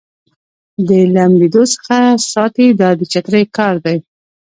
د لمدېدو څخه ساتي دا د چترۍ کار دی.